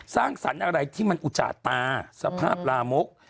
สร้างสรรค์อะไรที่มันอุจจาตาสภาพลามก